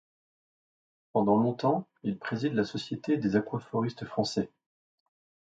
Pendant longtemps, il préside la Société des aquafortistes français.